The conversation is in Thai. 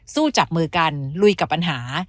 สู้จับมือกันลุยกับปัญหา